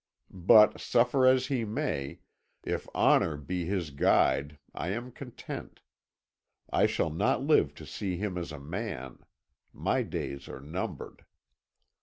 But suffer as he may, if honour be his guide I am content. I shall not live to see him as a man; my days are numbered.